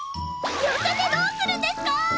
寄せてどうするんですか！